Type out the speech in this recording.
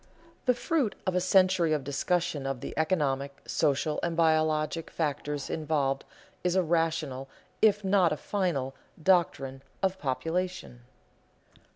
The fruit of a century of discussion of the economic, social, and biologic factors involved, is a rational, if not a final, doctrine of population.